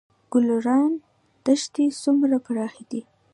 ګلران دښتې څومره پراخې دي؟